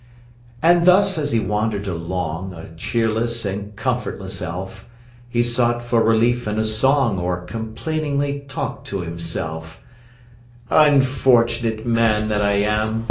And thus as he wandered along, A cheerless and comfortless elf, He sought for relief in a song, Or complainingly talked to himself:— "Unfortunate man that I am!